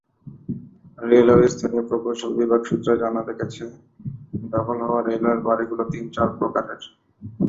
Railway স্থানীয় প্রকৌশল বিভাগ সূত্রে জানা গেছে, দখল হওয়া রেলওয়ের বাড়িগুলো তিন-চার প্রকারের।